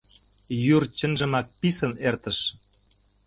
Йӱр чынжымак писын эртыш.